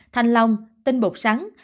thanh long tinh bột sắn